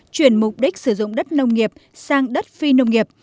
chuyển mục đích sử dụng đất nông nghiệp sang đất phi nông nghiệp